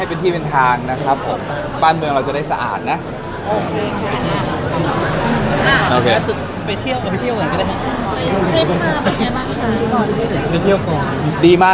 เป็นทิปยังไงถึงไปสวีตผิดหวาน